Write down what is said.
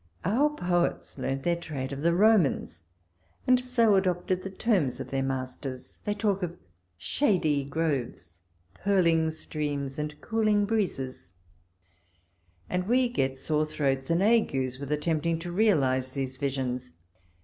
Our poets learnt their trade of the Romans, and so adopted the terms of their masters. They talk of shady groves, purling streams, and cooling breezes, and we get sore throats and agues with attempting to realise these visions.